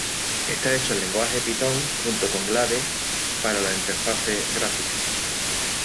Está hecho en lenguaje Python, junto con Glade para la interface gráfica.